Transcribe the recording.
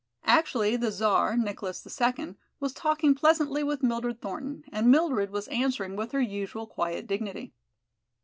Actually the Czar, Nicholas II, was talking pleasantly with Mildred Thornton, and Mildred was answering with her usual quiet dignity.